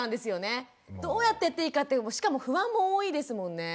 どうやってやっていいかってしかも不安も多いですもんね。